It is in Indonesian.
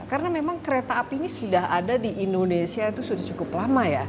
karena memang kereta api ini sudah ada di indonesia itu sudah cukup lama ya